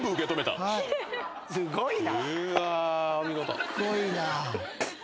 すごいな。